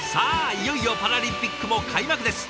いよいよパラリンピックも開幕です。